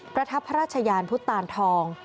ประทับพระราชยานพุทธตานทอง